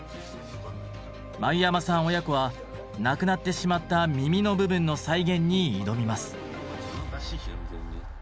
繭山さん親子は無くなってしまった耳の部分の再現に挑みます。